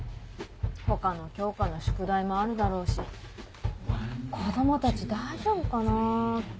他の教科の宿題もあるだろうし子供たち大丈夫かなって。